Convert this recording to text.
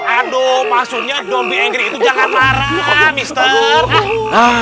aduh maksudnya jangan marah